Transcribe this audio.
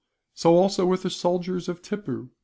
"So also with the soldiers of Tippoo.